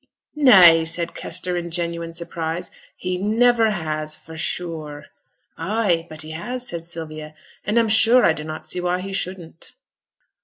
'Nay!' said Kester, in genuine surprise. 'He niver has, for sure!' 'Ay, but he has,' said Sylvia. 'And I'm sure I dunnot see why he shouldn't.'